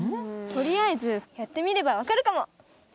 とりあえずやってみればわかるかも。